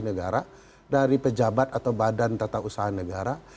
negara dari pejabat atau badan tata usaha negara